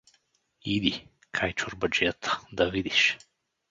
Иди, кай чорбаджията, да видиш.